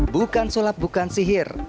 bukan sulap bukan sihir